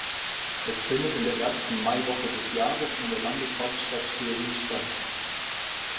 Es findet in der ersten Maiwoche des Jahres in der Landeshauptstadt Schwerin statt.